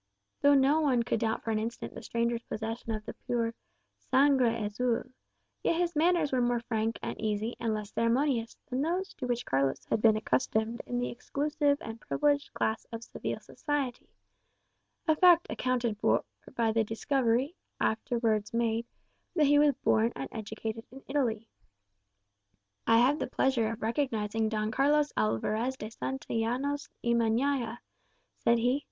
Though no one could doubt for an instant the stranger's possession of the pure "sangre azul,"[#] yet his manners were more frank and easy and less ceremonious than those to which Carlos had been accustomed in the exclusive and privileged class of Seville society a fact accounted for by the discovery, afterwards made, that he was born and educated in Italy. [#] "Blue blood" "I have the pleasure of recognizing Don Carlos Alvarez de Santillanos y Meñaya," said he.